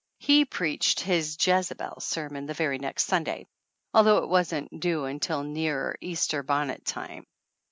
He preached his Jezebel sermon the very next Sunday, although it wasn't due until nearer Easter bonnet time.